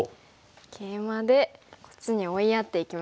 ケイマでこっちに追いやっていきます。